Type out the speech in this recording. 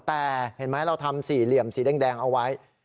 แต่เห็นไหมเราทำสี่เหลี่ยมสีแดงเอาไว้